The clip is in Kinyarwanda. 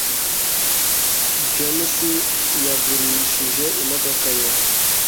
James yagurishije imodoka ye